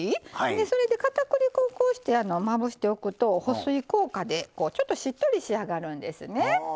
それでかたくり粉をこうしてまぶしておくと保水効果でちょっとしっとり仕上がるんですね。